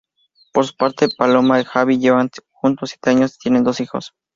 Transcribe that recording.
Por su parte, Paloma y Javi llevan juntos siete años y tienen dos hijos.